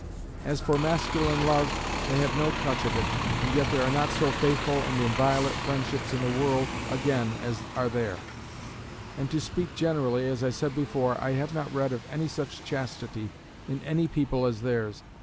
As for masculine love, they have no touch of it; and yet there are not so faithful and inviolate friendships in the world again as are there; and to speak generally, (as I said before,) I have not read of any such chastity, in any people as theirs.